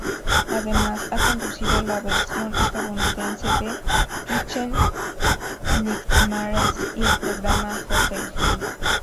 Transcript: Además ha conducido la versión estadounidense de "Kitchen Nightmares" y el programa "Hotel Hell".